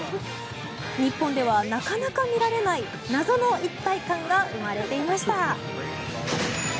日本ではなかなか見られない謎の一体感が生まれていました。